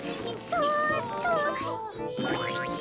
そっと。